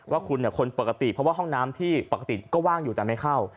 ว่าคุณคนปกติเพราะว่าห้องน้ำที่ปกติก็ว่างอยู่แต่ไม่เข้า